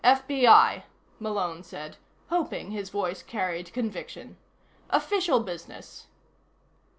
"FBI," Malone said, hoping his voice carried conviction. "Official business."